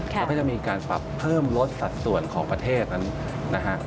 แล้วก็จะมีการปรับเพิ่มลดสัดส่วนของประเทศนั้นนะฮะ